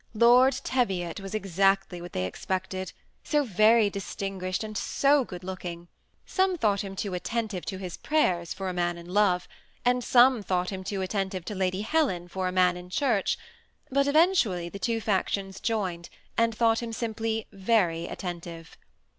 Lord Teviot was exactly what they expected, so very distin guished and so good looking. Some thought him too at tentive to his prayers for a man in love, and some thought him too attentive to Lady Helen for a man in church ; but eventually the two faction^ joined, and thought him simply very attentive.